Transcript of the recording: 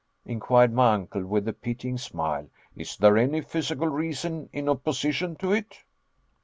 inquired my uncle, with a pitying smile; "is there any physical reason in opposition to it?"